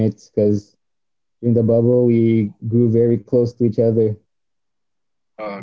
karena di bubble kita berkembang sangat dekat dengan satu sama lain